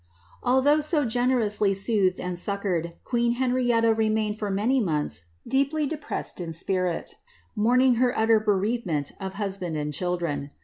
Although so generously soothed and succoured, queen Ilenrietli mained for many months deeply depressed in spirit, mourning her i bereavement of husband and children.